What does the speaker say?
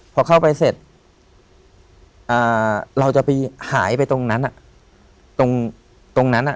พอเข้าไปเสร็จเราจะไปหายไปตรงนั้น